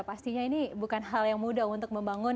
pastinya ini bukan hal yang mudah untuk membangun